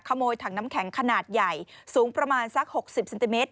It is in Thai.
ถังน้ำแข็งขนาดใหญ่สูงประมาณสัก๖๐เซนติเมตร